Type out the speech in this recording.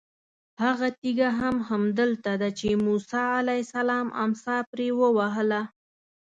هغه تېږه هم همدلته ده چې موسی علیه السلام امسا پرې ووهله.